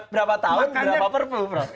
berapa tahun berapa perpu prof